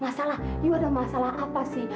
masalah iu ada masalah apa sih